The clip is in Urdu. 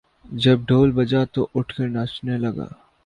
جب ڈھول بجا تو اٹھ کر ناچنے لگا